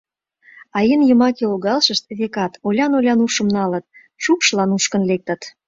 А эн йымаке логалшышт, векат, олян-олян ушым налыт: шукшла нушкын лектыт.